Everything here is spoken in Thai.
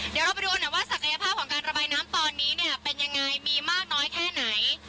เดี๋ยวเราไปดูกันหน่อยว่าศักยภาพของการระบายน้ำตอนนี้เนี่ยเป็นยังไงมีมากน้อยแค่ไหน